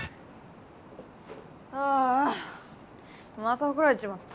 ああまたおこられちまった！